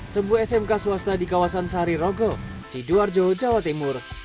sebuah smk swasta di kawasan sari rogo sidoarjo jawa timur